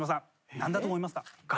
何だと思いますか？